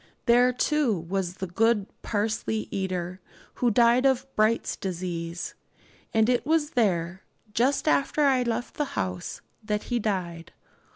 There, too, was the good parsley eater, who died of Bright's disease; and it was there, just after I left the house, that he died.